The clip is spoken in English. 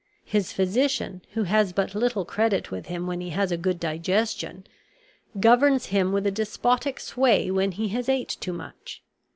His physician, who has but little credit with him when he has a good digestion, governs him with a despotic sway when he has ate too much.